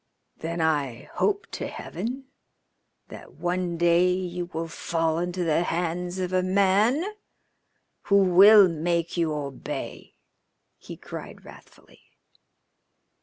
"Then I hope to Heaven that one day you will fall into the hands of a man who will make you obey," he cried wrathfully.